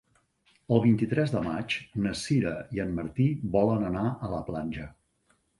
El vint-i-tres de maig na Sira i en Martí volen anar a la platja.